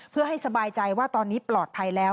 เพื่อให้สบายใจว่าตอนนี้ปลอดภัยแล้ว